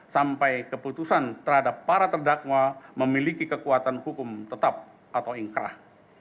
sampai keputusan terhadap para terdakwa memiliki kekuatan hukum tetap atau ingkrah